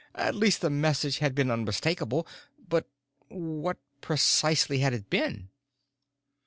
At least the message had been unmistakable. But what precisely had it been?